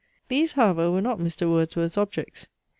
These, however, were not Mr. Wordsworth's objects.